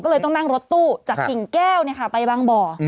ก็เลยต้องนั่งรถตู้จากกิ่งแก้วไปบางบ่อ